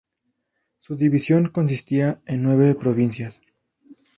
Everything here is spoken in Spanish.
Su división consistía en nueve provincias.